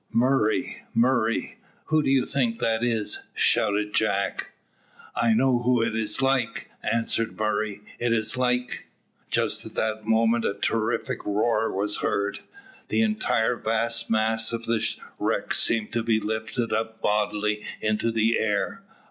"Murray, Murray, who do you think that is?" shouted Jack. "I know who it is like," answered Murray. "It is like " Just at that moment a terrific roar was heard. The entire vast mass of the wreck seemed to be lifted up bodily into the air.